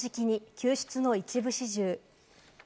救出の一部始終。